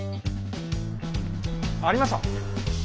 ありました。